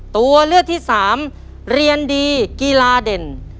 ตัวเลือกที่สามเรียนดีกีฬาเด่น